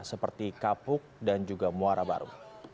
seperti kapuk dan juga muara baru